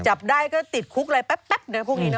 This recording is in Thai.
จับได้ก็ติดคุกแป๊บนะพวกนี้